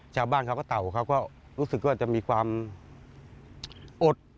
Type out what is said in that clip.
ชาวบ้านเขาก็เต่าเขาก็รู้สึกว่าจะมีความอด